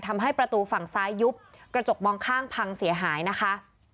ทำให้ประตูฝั่งซ้ายยุบกระจกมองข้างพังเสียหายนะคะ